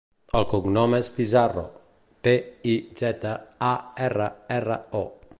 El cognom és Pizarro: pe, i, zeta, a, erra, erra, o.